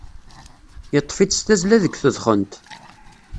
Yeṭṭef-itt s tazzla deg tedxent.